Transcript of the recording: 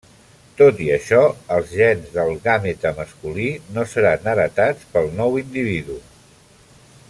Tot i això, els gens del gàmeta masculí no seran heretats pel nou individu.